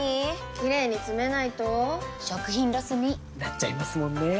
キレイにつめないと食品ロスに．．．なっちゃいますもんねー！